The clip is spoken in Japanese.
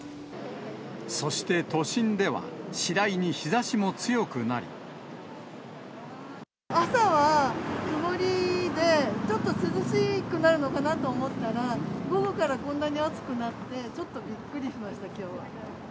そして都心では、朝は曇りで、ちょっと涼しくなるのかなと思ったら、午後からこんなに暑くなって、ちょっとびっくりしました、きょうは。